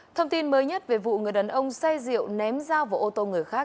thông tin mới nhất về vụ người đàn ông say rượu ném dao vào ô tô người khác